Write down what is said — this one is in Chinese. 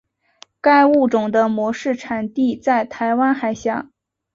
该物种的模式产地在台湾海峡。